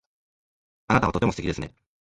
あなたはとても素敵ですね。